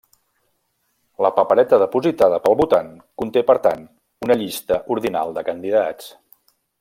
La papereta depositada pel votant conté, per tant, una llista ordinal de candidats.